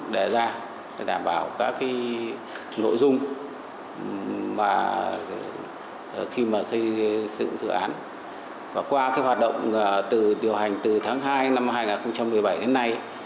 đề ra để đảm bảo các nội dung mà khi mà xây dựng dự án và qua cái hoạt động từ điều hành từ tháng hai năm hai nghìn một mươi bảy đến nay